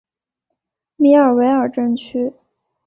米尔维尔镇区。